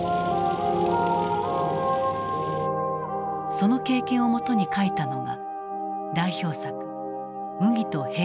その経験をもとに書いたのが代表作「麦と兵隊」である。